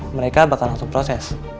mereka bakal langsung proses